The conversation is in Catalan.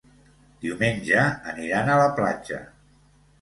Diumenge aniran a la platja.